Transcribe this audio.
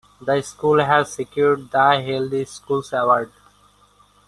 The school has secured the Healthy Schools award.